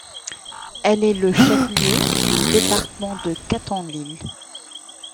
Elle est le chef-lieu du département de Catán Lil.